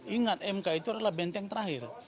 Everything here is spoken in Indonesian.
ingat mk itu adalah benteng terakhir